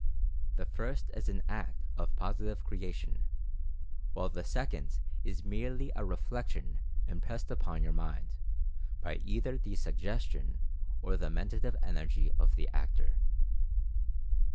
The first is an act of Positive Creation, while the second is merely a Reflection impressed upon your mind, by either the Suggestion, or the Mentative Energy of the actor.